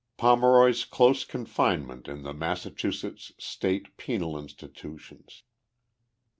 POMEROY S CLOSE CONFINEMENT IN THE MASSACHUSETTS STATE PENAL INSTITUTIONS.